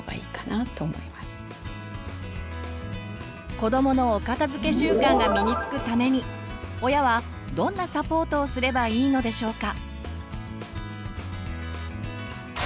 子どものお片づけ習慣が身につくために親はどんなサポートをすればいいのでしょうか。